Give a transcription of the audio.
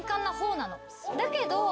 だけど。